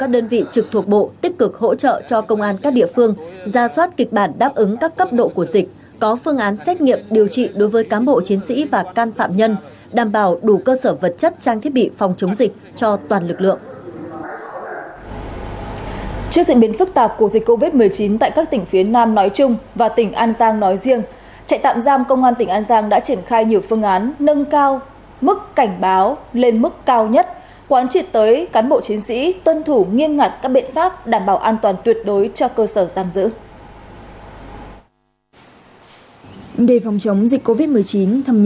đề phòng chống dịch covid một mươi chín thâm nhập vào trong trại